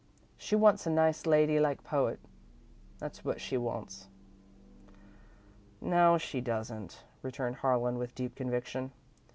She wants a nice lady like poet, that's what she wants." "No, she doesn't," returned Harlan, with deep conviction.